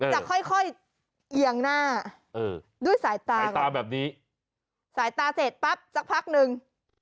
จะค่อยเอียงหน้าด้วยสายตาสายตาแบบนี้สายตาเสร็จปั๊บสักพักหนึ่ง